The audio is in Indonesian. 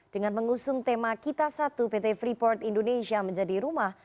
dengan mengusung tema kita satu pt freeport indonesia menjadi rumah